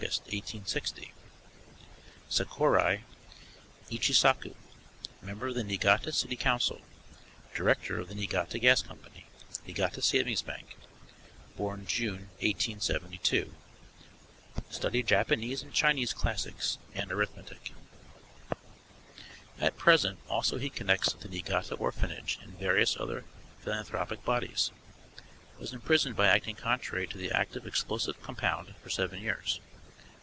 1860. SAKURAI, ICHISAKU: Member of the Niigata City Council; Director of the Niigata Gas Co., Niigata Savings Bank. Born June, 1872, Studied Japanese and Chinese classics and arithmetic. At present also he connects with the Niigata Orphanage and various other philanthropic bodies. Was imprisoned by acting contrary to the act of explosive compound for seven years.